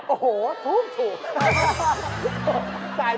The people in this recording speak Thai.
โอ้โหถูก